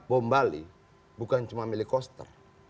bom bali bukan cuma milik koster